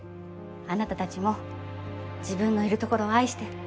あなたたちも自分のいるところを愛して。